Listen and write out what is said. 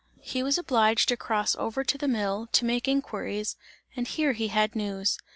He was obliged to cross over to the mill, to make inquiries, and here he had news.